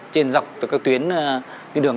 trên dọc từ các tuyến